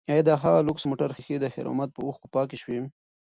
ایا د هغه لوکس موټر ښیښې د خیر محمد په اوښکو پاکې شوې؟